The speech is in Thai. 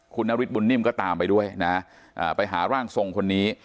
คุณนฤทธบุญนิ่มก็ตามไปด้วยนะไปหาร่างทรงคนนี้